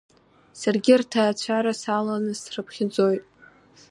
Саргьы рҭаацәара саланы срыԥхьаӡоит…